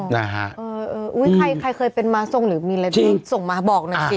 นะฮะเออเอออุ้ยใครใครเคยเป็นม้าทรงหรือมีอะไรบ้างส่งมาบอกหน่อยสิ